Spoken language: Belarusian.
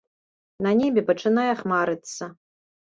На небе пачынае хмарыцца.